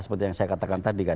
seperti yang saya katakan tadi kan